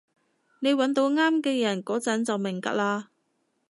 你搵到啱嘅人嗰陣就明㗎喇